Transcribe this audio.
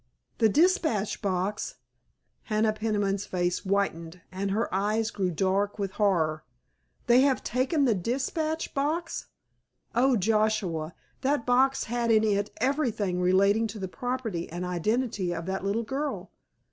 "The dispatch box?" Hannah Peniman's face whitened and her eyes grew dark with horror. "They have taken the dispatch box? Oh, Joshua, that box had in it everything relating to the property and identity of that little girl!"